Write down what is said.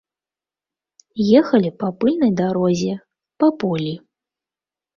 Ехалі па пыльнай дарозе, па полі.